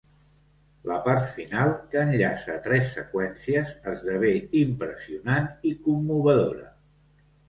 La part final, que enllaça tres seqüències, esdevé impressionant i commovedora.